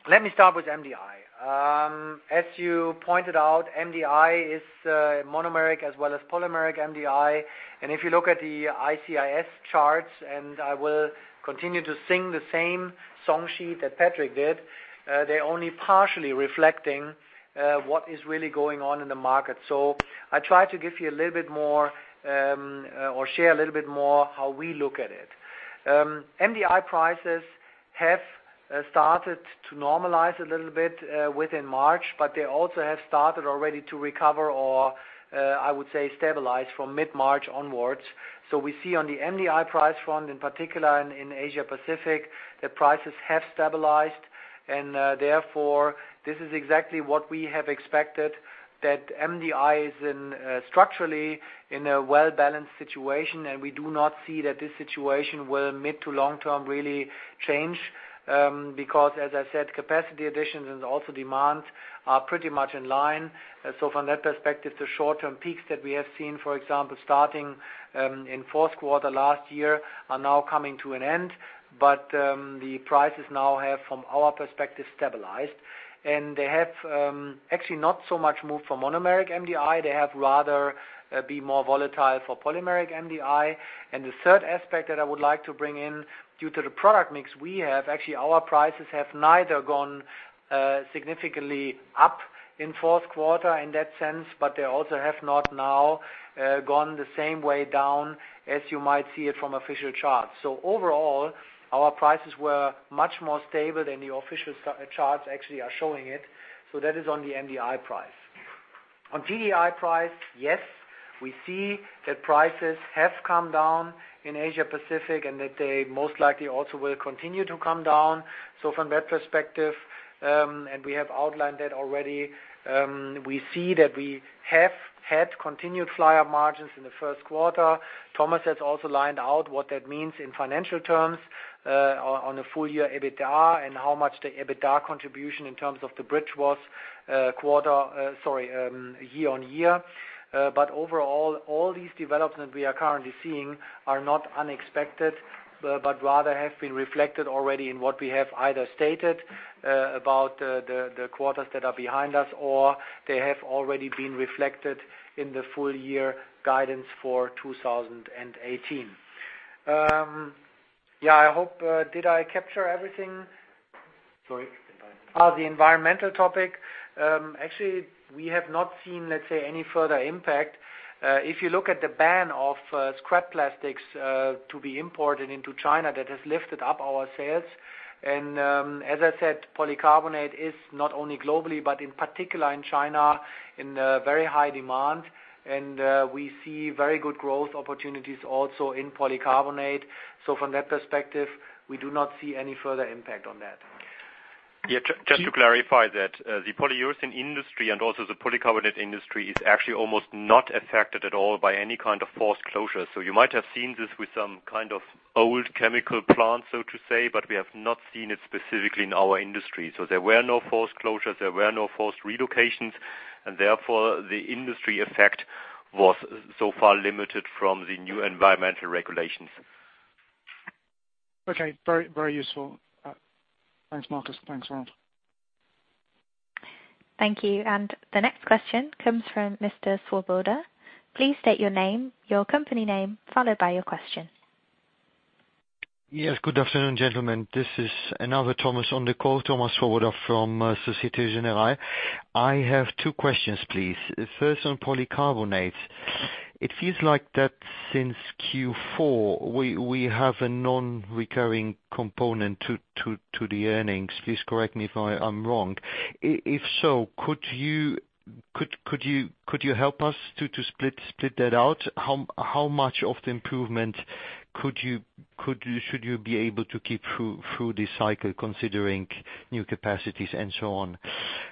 Let me start with MDI. As you pointed out, MDI is monomeric as well as polymeric MDI. If you look at the ICIS charts, and I will continue to sing the same song sheet that Patrick did, they're only partially reflecting what is really going on in the market. I try to give you a little bit more or share a little bit more how we look at it. MDI prices have started to normalize a little bit within March, they also have started already to recover or, I would say, stabilize from mid-March onwards. We see on the MDI price front, in particular in Asia Pacific, that prices have stabilized therefore this is exactly what we have expected, that MDI is structurally in a well-balanced situation, we do not see that this situation will mid to long term really change. As I said, capacity additions and also demands are pretty much in line. From that perspective, the short-term peaks that we have seen, for example, starting in fourth quarter last year, are now coming to an end. The prices now have, from our perspective, stabilized, and they have actually not so much moved for monomeric MDI. They have rather been more volatile for polymeric MDI. The third aspect that I would like to bring in, due to the product mix we have, actually our prices have neither gone significantly up in fourth quarter in that sense, but they also have not now gone the same way down as you might see it from official charts. Overall, our prices were much more stable than the official charts actually are showing it. That is on the MDI price. On TDI price, yes, we see that prices have come down in Asia Pacific and that they most likely also will continue to come down. From that perspective, and we have outlined that already, we see that we have had continued fly-up margins in the first quarter. Thomas has also lined out what that means in financial terms on the full-year EBITDA and how much the EBITDA contribution in terms of the bridge was year-on-year. Overall, all these developments we are currently seeing are not unexpected, but rather have been reflected already in what we have either stated about the quarters that are behind us, or they have already been reflected in the full-year guidance for 2018. Did I capture everything? Sorry, environmental. The environmental topic. Actually, we have not seen, let's say, any further impact. If you look at the ban of scrap plastics to be imported into China, that has lifted up our sales. As I said, polycarbonate is not only globally, but in particular in China, in very high demand. And we see very good growth opportunities also in polycarbonate. From that perspective, we do not see any further impact on that. Yeah, just to clarify that the Polyurethanes industry and also the Polycarbonates industry is actually almost not affected at all by any kind of forced closure. You might have seen this with some kind of old chemical plant, so to say, but we have not seen it specifically in our industry. There were no forced closures, there were no forced relocations, and therefore the industry effect was so far limited from the new environmental regulations. Okay. Very useful. Thanks, Markus. Thanks, Ronald. Thank you. The next question comes from Mr. Swoboda. Please state your name, your company name, followed by your question. Yes. Good afternoon, gentlemen. This is another Thomas on the call, Thomas Swoboda from Societe Generale. I have two questions, please. First, on Polycarbonates. It feels like that since Q4, we have a non-recurring component to the earnings. Please correct me if I'm wrong. If so, could you help us to split that out? How much of the improvement should you be able to keep through this cycle, considering new capacities and so on?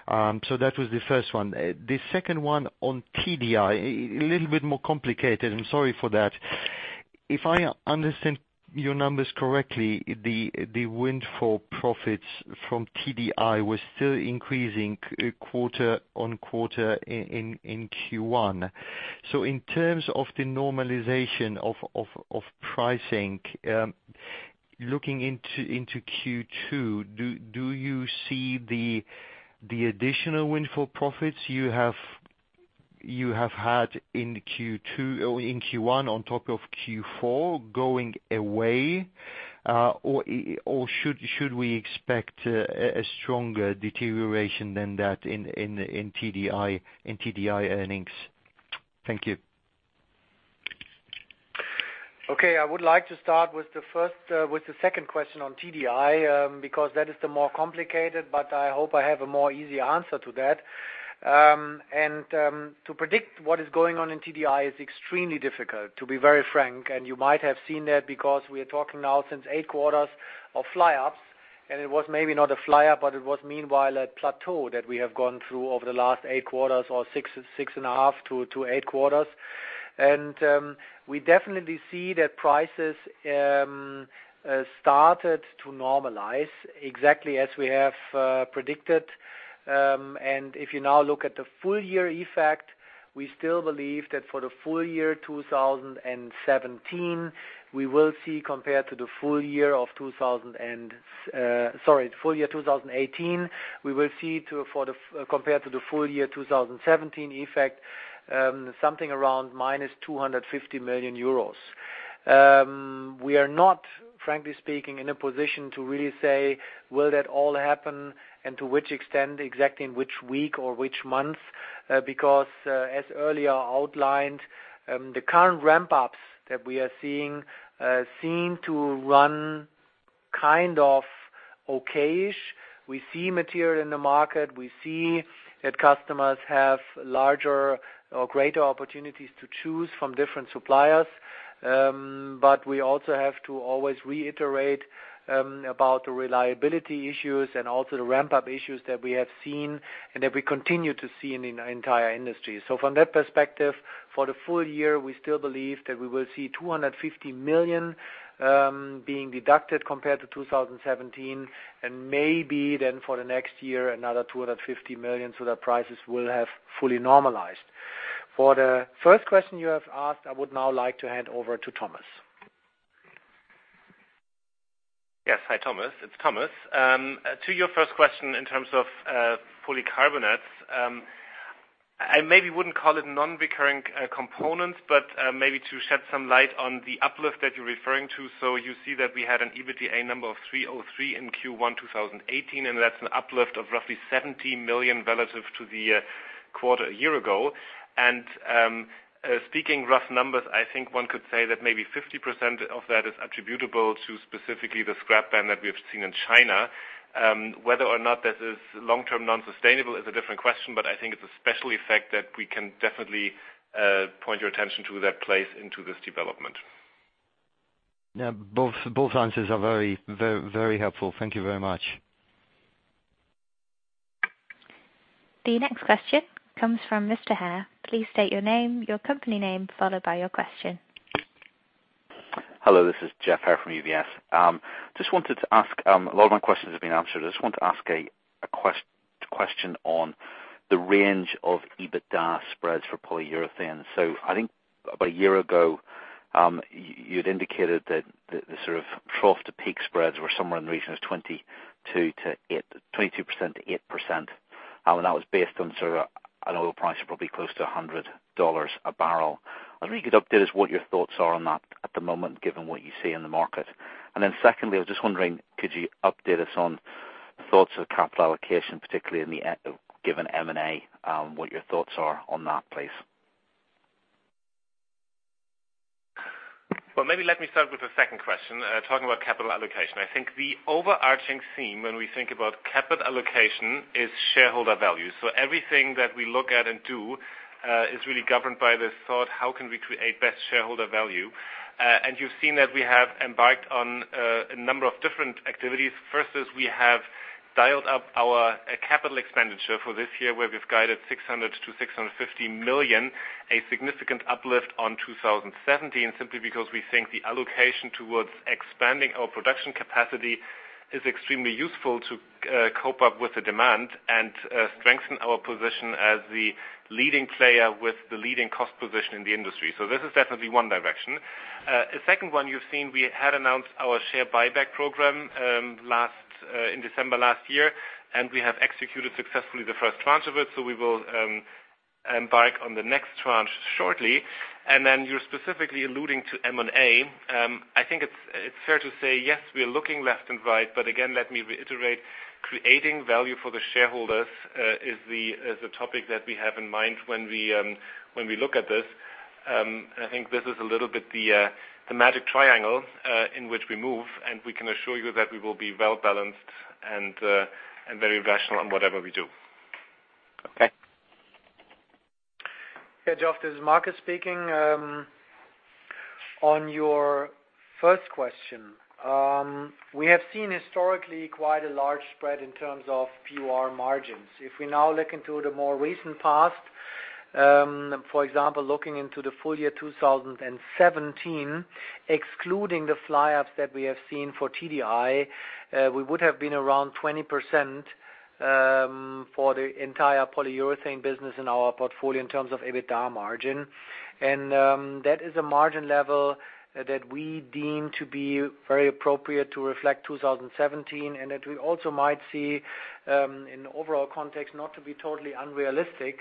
That was the first one. The second one on TDI, a little bit more complicated, I'm sorry for that. If I understand your numbers correctly, the windfall profits from TDI were still increasing quarter-on-quarter in Q1. In terms of the normalization of pricing, looking into Q2, do you see the additional windfall profits you have had in Q1 on top of Q4 going away? Should we expect a stronger deterioration than that in TDI earnings? Thank you. Okay. I would like to start with the second question on TDI, because that is the more complicated, but I hope I have a more easy answer to that. To predict what is going on in TDI is extremely difficult, to be very frank, and you might have seen that because we are talking now since 8 quarters of fly-ups, and it was maybe not a fly-up, but it was meanwhile a plateau that we have gone through over the last 8 quarters or 6.5-8 quarters. We definitely see that prices started to normalize exactly as we have predicted. If you now look at the full year effect, we still believe that for the full year 2017, we will see compared to the full year 2018, we will see compared to the full year 2017 effect, something around minus 250 million euros. We are not, frankly speaking, in a position to really say will that all happen and to which extent, exactly in which week or which month, because, as earlier outlined, the current ramp-ups that we are seeing seem to run kind of okay-ish. We see material in the market. We see that customers have larger or greater opportunities to choose from different suppliers. We also have to always reiterate about the reliability issues and also the ramp-up issues that we have seen and that we continue to see in the entire industry. From that perspective, for the full year, we still believe that we will see 250 million being deducted compared to 2017 and maybe then for the next year, another 250 million, so that prices will have fully normalized. For the first question you have asked, I would now like to hand over to Thomas. Yes. Hi, Thomas. It's Thomas. To your first question in terms of Polycarbonates, I maybe wouldn't call it non-recurring components, but maybe to shed some light on the uplift that you're referring to. You see that we had an EBITDA number of 303 million in Q1 2018, and that's an uplift of roughly 70 million relative to the quarter a year ago. Speaking rough numbers, I think one could say that maybe 50% of that is attributable to specifically the scrap ban that we have seen in China. Whether or not this is long-term non-sustainable is a different question, but I think it's a special effect that we can definitely point your attention to that plays into this development. Yeah, both answers are very helpful. Thank you very much. The next question comes from Mr. Haire. Please state your name, your company name, followed by your question. Hello, this is Geoff Haire from UBS. A lot of my questions have been answered. I just want to ask a question on the range of EBITDA spreads for Polyurethane. I think about a year ago, you had indicated that the sort of trough to peak spreads were somewhere in the region of 22%-8%, and that was based on sort of an oil price of probably close to $100 a barrel. I was wondering if you could update us what your thoughts are on that at the moment, given what you see in the market. Secondly, I was just wondering, could you update us on thoughts of capital allocation, particularly given M&A, what your thoughts are on that, please? Well, maybe let me start with the second question, talking about capital allocation. I think the overarching theme when we think about capital allocation is shareholder value. Everything that we look at and do is really governed by this thought, how can we create best shareholder value? You've seen that we have embarked on a number of different activities. First is we have dialed up our CapEx for this year, where we've guided 600 million to 650 million, a significant uplift on 2017, simply because we think the allocation towards expanding our production capacity is extremely useful to cope up with the demand and strengthen our position as the leading player with the leading cost position in the industry. This is definitely one direction. A second one you've seen, we had announced our share buyback program in December last year. We have executed successfully the first tranche of it, we will embark on the next tranche shortly. Then you're specifically alluding to M&A. I think it's fair to say yes, we are looking left and right, again, let me reiterate, creating value for the shareholders is the topic that we have in mind when we look at this. I think this is a little bit the magic triangle in which we move, we can assure you that we will be well-balanced and very rational in whatever we do. Okay. Yeah, Geoff, this is Markus speaking. On your first question. We have seen historically quite a large spread in terms of PUR margins. If we now look into the more recent past, for example, looking into the full year 2017, excluding the fly-ups that we have seen for TDI, we would have been around 20% for the entire polyurethane business in our portfolio in terms of EBITDA margin. That is a margin level that we deem to be very appropriate to reflect 2017 and that we also might see in overall context not to be totally unrealistic.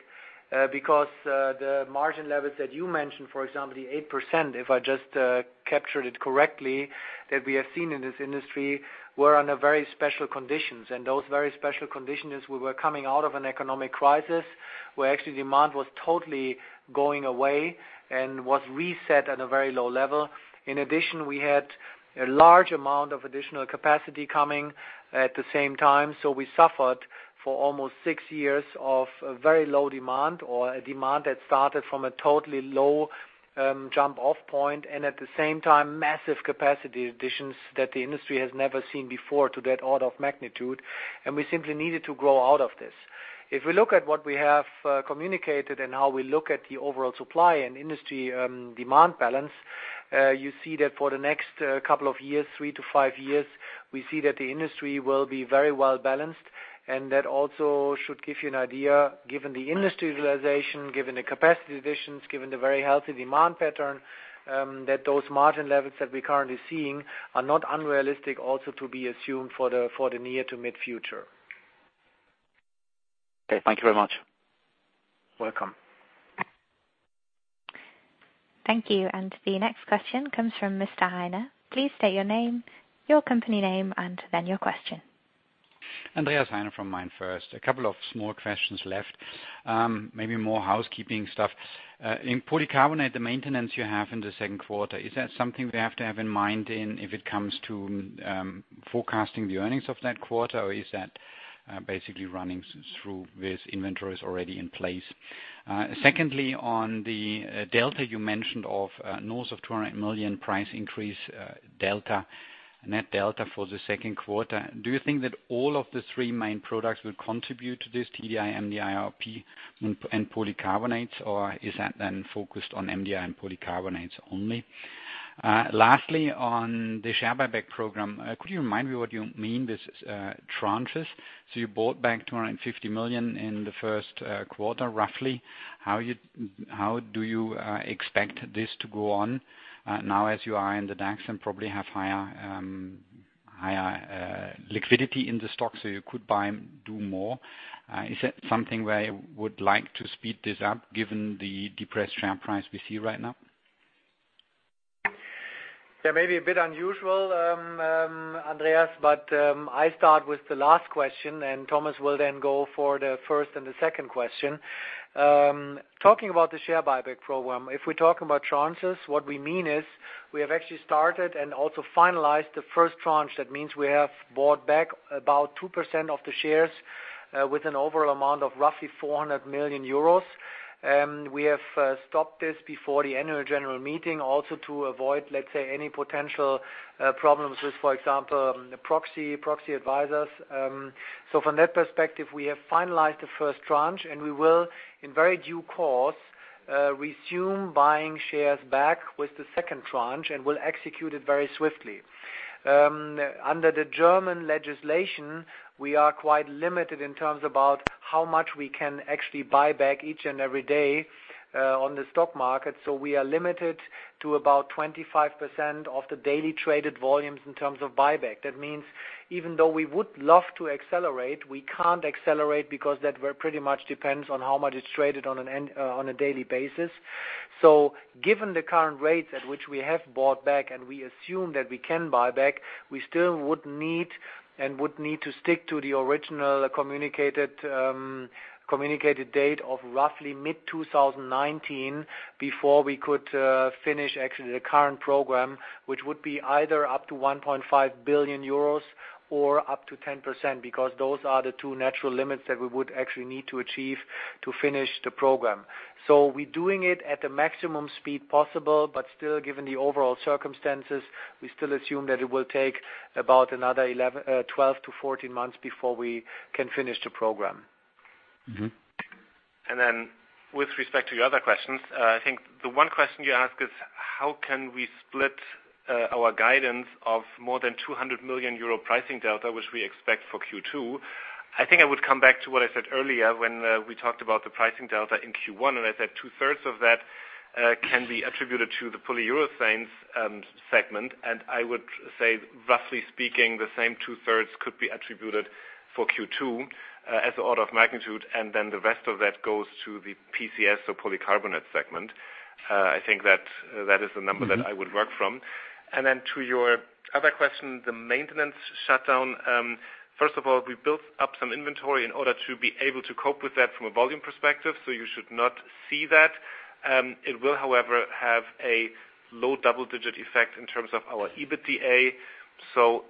The margin levels that you mentioned, for example, the 8%, if I just captured it correctly, that we have seen in this industry, were under very special conditions. Those very special conditions, we were coming out of an economic crisis where actually demand was totally going away and was reset at a very low level. In addition, we had a large amount of additional capacity coming at the same time. We suffered for almost six years of very low demand or a demand that started from a totally low jump-off point and at the same time massive capacity additions that the industry has never seen before to that order of magnitude. We simply needed to grow out of this. If we look at what we have communicated and how we look at the overall supply and industry demand balance, you see that for the next couple of years, three to five years, we see that the industry will be very well-balanced. That also should give you an idea, given the industry utilization, given the capacity additions, given the very healthy demand pattern, that those margin levels that we're currently seeing are not unrealistic also to be assumed for the near to mid-future. Okay. Thank you very much. Welcome. Thank you. The next question comes from Mr. Heine. Please state your name, your company name, and then your question. Andreas Heine from MainFirst. A couple of small questions left. Maybe more housekeeping stuff. In Polycarbonate, the maintenance you have in the second quarter, is that something we have to have in mind if it comes to forecasting the earnings of that quarter, or is that basically running through with inventories already in place? Secondly, on the delta you mentioned of north of 200 million price increase net delta for the second quarter, do you think that all of the three main products will contribute to this TDI, MDI, RP, and Polycarbonates, or is that then focused on MDI and Polycarbonates only? Lastly, on the share buyback program, could you remind me what you mean with tranches? So you bought back 250 million in the first quarter, roughly. How do you expect this to go on now as you are in the DAX and probably have higher liquidity in the stock, you could do more? Is that something where you would like to speed this up given the depressed share price we see right now? That may be a bit unusual, Andreas, I start with the last question, Thomas will then go for the first and the second question. Talking about the share buyback program, if we talk about tranches, what we mean is we have actually started and also finalized the first tranche. That means we have bought back about 2% of the shares with an overall amount of roughly 400 million euros. We have stopped this before the annual general meeting also to avoid, let's say, any potential problems with, for example, proxy advisors. From that perspective, we have finalized the first tranche, we will, in very due course, resume buying shares back with the second tranche and will execute it very swiftly. Under the German legislation, we are quite limited in terms about how much we can actually buy back each and every day on the stock market. We are limited to about 25% of the daily traded volumes in terms of buyback. That means even though we would love to accelerate, we can't accelerate because that pretty much depends on how much is traded on a daily basis. Given the current rates at which we have bought back and we assume that we can buy back, we still would need to stick to the original communicated date of roughly mid-2019 before we could finish actually the current program, which would be either up to 1.5 billion euros or up to 10%, because those are the two natural limits that we would actually need to achieve to finish the program. We're doing it at the maximum speed possible, but still given the overall circumstances, we still assume that it will take about another 12 to 14 months before we can finish the program. With respect to your other questions, I think the one question you asked is how can we split our guidance of more than 200 million euro pricing delta, which we expect for Q2. I think I would come back to what I said earlier when we talked about the pricing delta in Q1, I said two-thirds of that can be attributed to the Polyurethanes segment. I would say, roughly speaking, the same two-thirds could be attributed for Q2 as the order of magnitude, the rest of that goes to the PCS or Polycarbonate segment. I think that is the number that I would work from. To your other question, the maintenance shutdown. First of all, we built up some inventory in order to be able to cope with that from a volume perspective, so you should not see that. It will, however, have a low double-digit effect in terms of our EBITDA.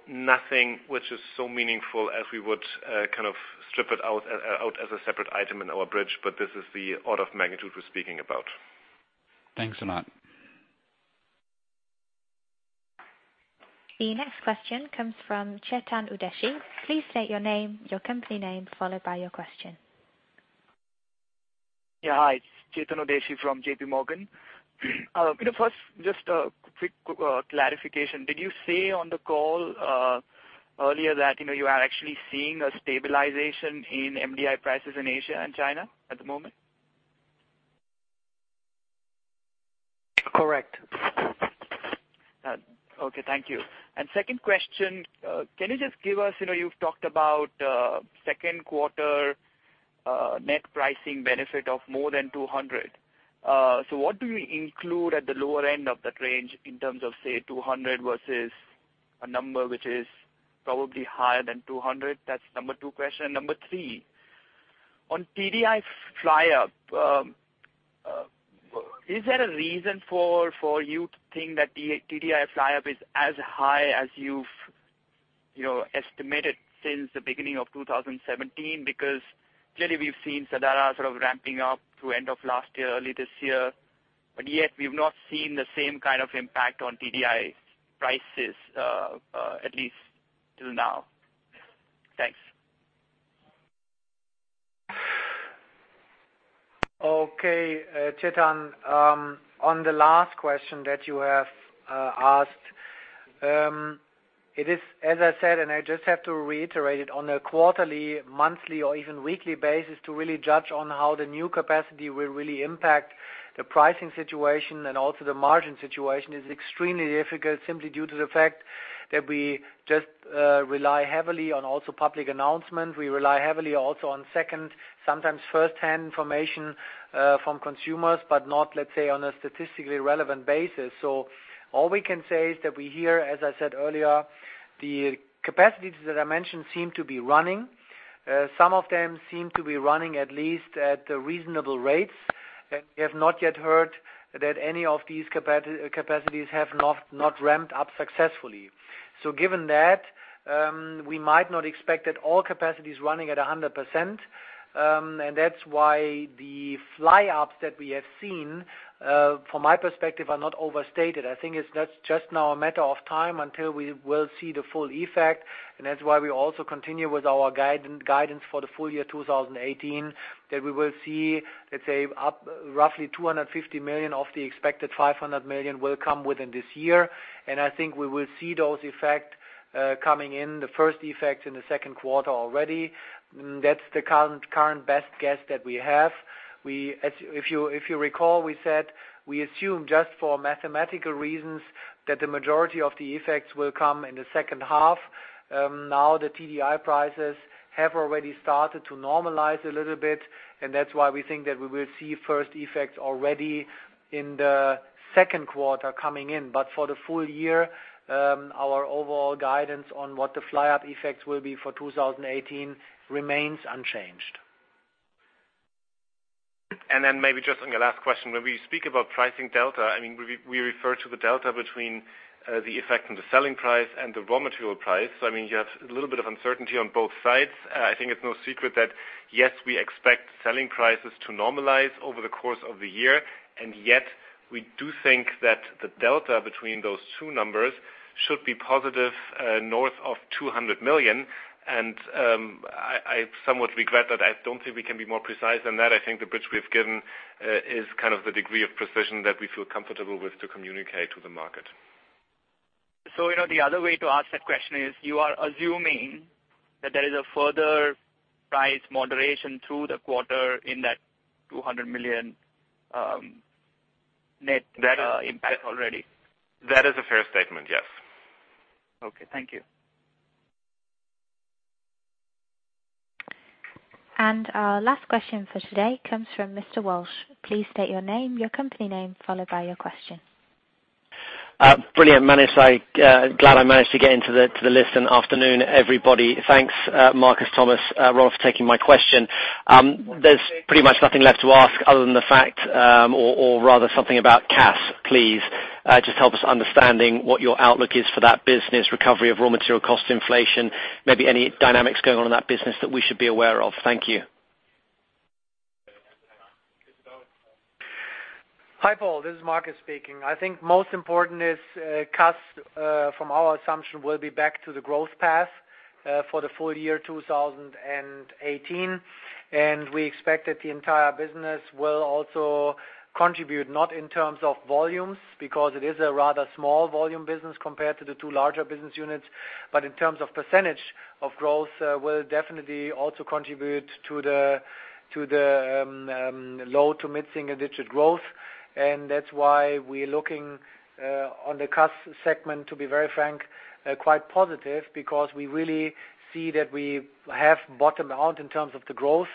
Nothing which is so meaningful as we would kind of strip it out as a separate item in our bridge, but this is the order of magnitude we're speaking about. Thanks a lot. The next question comes from Chetan Udeshi. Please state your name, your company name, followed by your question. Yeah. Hi. Chetan Udeshi from JPMorgan. First, just a quick clarification. Did you say on the call earlier that you are actually seeing a stabilization in MDI prices in Asia and China at the moment? Correct. Okay, thank you. Second question, can you just give us You've talked about second quarter net pricing benefit of more than 200 million. What do you include at the lower end of that range in terms of, say, 200 million versus a number which is probably higher than 200 million? That's number 2 question. Number 3, on TDI fly-up, is there a reason for you to think that the TDI fly-up is as high as you've estimated since the beginning of 2017? Clearly, we've seen Sadara sort of ramping up to end of last year, early this year. Yet we've not seen the same kind of impact on TDI prices, at least till now. Thanks. Okay. Chetan, on the last question that you have asked. It is, as I said, and I just have to reiterate it on a quarterly, monthly, or even weekly basis to really judge on how the new capacity will really impact the pricing situation and also the margin situation is extremely difficult simply due to the fact that we just rely heavily on also public announcement. We rely heavily also on second, sometimes firsthand information from consumers, not, let's say, on a statistically relevant basis. All we can say is that we hear, as I said earlier, the capacities that I mentioned seem to be running. Some of them seem to be running at least at reasonable rates. We have not yet heard that any of these capacities have not ramped up successfully. Given that, we might not expect that all capacity is running at 100%. That's why the fly-ups that we have seen, from my perspective, are not overstated. I think that's just now a matter of time until we will see the full effect. That's why we also continue with our guidance for the full year 2018, that we will see, let's say, up roughly 250 million of the expected 500 million will come within this year. I think we will see those effect coming in, the first effect in the second quarter already. That's the current best guess that we have. If you recall, we said we assume just for mathematical reasons that the majority of the effects will come in the second half. The TDI prices have already started to normalize a little bit, that's why we think that we will see first effects already in the second quarter coming in. For the full year, our overall guidance on what the fly up effects will be for 2018 remains unchanged. Maybe just on your last question, when we speak about pricing delta, we refer to the delta between the effect on the selling price and the raw material price. You have a little bit of uncertainty on both sides. I think it's no secret that, yes, we expect selling prices to normalize over the course of the year, yet we do think that the delta between those two numbers should be positive north of 200 million. I somewhat regret that I don't think we can be more precise than that. I think the bridge we've given is kind of the degree of precision that we feel comfortable with to communicate to the market. The other way to ask that question is, you are assuming that there is a further price moderation through the quarter in that 200 million net impact already. That is a fair statement, yes. Okay. Thank you. Our last question for today comes from Mr. Walsh. Please state your name, your company name, followed by your question. Brilliant. Glad I managed to get into the list. Afternoon, everybody. Thanks, Markus, Thomas, Rolf for taking my question. There's pretty much nothing left to ask other than something about CAS. Please, just help us understanding what your outlook is for that business, recovery of raw material cost inflation, maybe any dynamics going on in that business that we should be aware of. Thank you. Hi, Paul. This is Markus speaking. I think most important is CAS, from our assumption, will be back to the growth path for the full year 2018. We expect that the entire business will also contribute, not in terms of volumes, because it is a rather small volume business compared to the two larger business units. But in terms of percentage of growth, will definitely also contribute to the low to mid single-digit growth. That's why we're looking on the CAS segment, to be very frank, quite positive because we really see that we have bottomed out in terms of the growth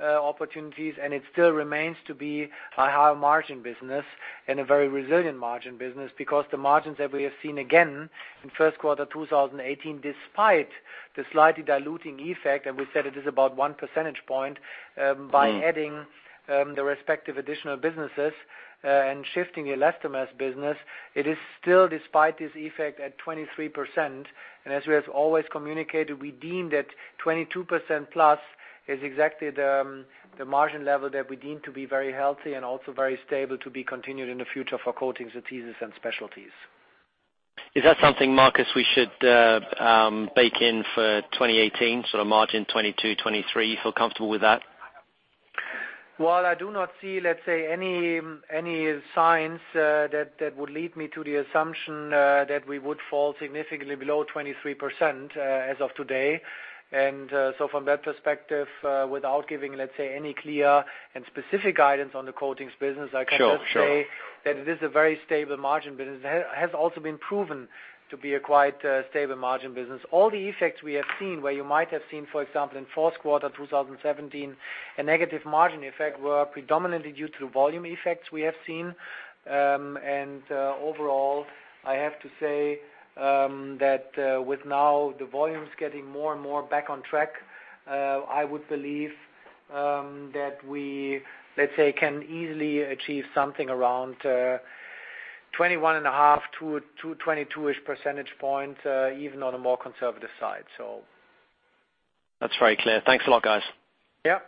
opportunities, and it still remains to be a high margin business and a very resilient margin business because the margins that we have seen again in first quarter 2018, despite the slightly diluting effect, and we said it is about one percentage point by adding the respective additional businesses and shifting Elastomers business. It is still, despite this effect, at 23%. As we have always communicated, we deemed that 22% plus is exactly the margin level that we deem to be very healthy and also very stable to be continued in the future for Coatings, Adhesives, and Specialties. Is that something, Markus, we should bake in for 2018, sort of margin 22%-23%? Feel comfortable with that? Well, I do not see, let's say, any signs that would lead me to the assumption that we would fall significantly below 23% as of today. From that perspective, without giving, let's say, any clear and specific guidance on the Coatings business. Sure I can just say that it is a very stable margin business. It has also been proven to be a quite stable margin business. All the effects we have seen, where you might have seen, for example, in fourth quarter 2017, a negative margin effect were predominantly due to volume effects we have seen. Overall, I have to say that with now the volumes getting more and more back on track, I would believe that we, let's say, can easily achieve something around 21.5, 22-ish percentage point, even on a more conservative side. That's very clear. Thanks a lot, guys. Yeah.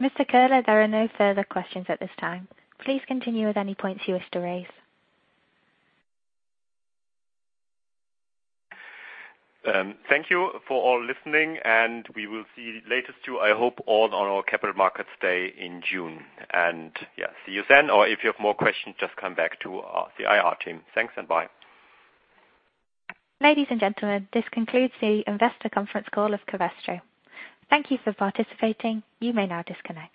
Mr. Köhler, there are no further questions at this time. Please continue with any points you wish to raise. Thank you for all listening, and we will see latest you, I hope all on our Capital Markets Day in June. See you then, or if you have more questions, just come back to the IR team. Thanks and bye. Ladies and gentlemen, this concludes the investor conference call of Covestro. Thank you for participating. You may now disconnect.